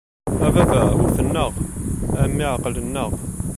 A baba! Wwten-aɣ, a mmi! Ɛeqlen-aɣ.